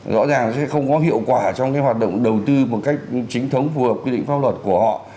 rõ ràng sẽ không có hiệu quả trong cái hoạt động đầu tư một cách chính thống phù hợp quy định pháp luật của họ